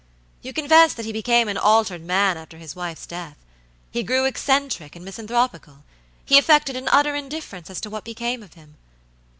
You confess that he became an altered man after his wife's death. He grew eccentric and misanthropical; he affected an utter indifference as to what became of him.